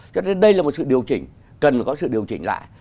cho nên đây là một sự điều chỉnh cần phải có sự điều chỉnh lại